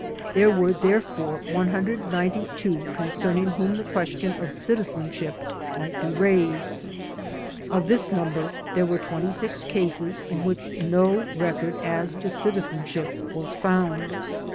There were there fore 192 concerning whom the question of citizenship might be raised. Of this number there were 26 cases in which no record as to citizenship was found.